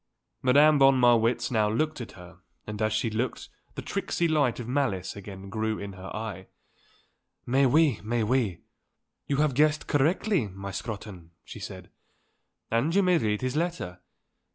Madame von Marwitz now looked at her and as she looked the tricksy light of malice again grew in her eye. "Mais oui; mais oui. You have guessed correctly, my Scrotton," she said. "And you may read his letter.